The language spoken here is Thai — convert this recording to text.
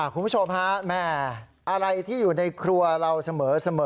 คุณผู้ชมฮะแม่อะไรที่อยู่ในครัวเราเสมอ